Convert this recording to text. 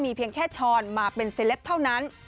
เพียงแค่ช้อนมาเป็นเซลปเท่านั้น